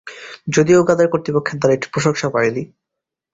যদিও উগান্ডার কর্তৃপক্ষের দ্বারা এটি প্রশংসা পায়নি।